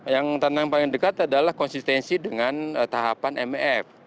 yang tantangan paling dekat adalah konsistensi dengan tahapan mef